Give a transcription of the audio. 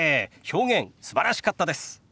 表現すばらしかったです。